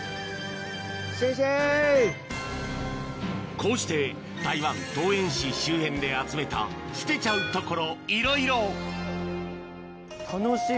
こうして台湾桃園市周辺で集めた捨てちゃうところいろいろ楽しみ。